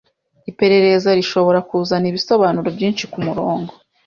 Iperereza rishobora kuzana ibisobanuro byinshi kumurongo